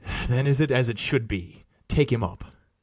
BARABAS. Then is it as it should be. Take him up.